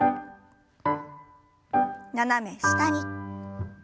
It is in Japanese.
斜め下に。